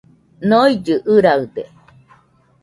Noillɨɨ ɨraɨde